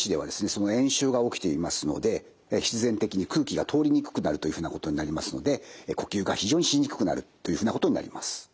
その炎症が起きていますので必然的に空気が通りにくくなるというふうなことになりますので呼吸が非常にしにくくなるというふうなことになります。